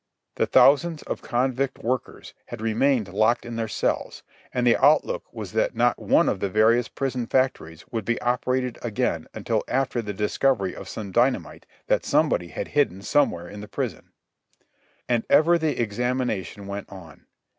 The thousands of convict workers had remained locked in their cells, and the outlook was that not one of the various prison factories would be operated again until after the discovery of some dynamite that somebody had hidden somewhere in the prison. And ever the examination went on.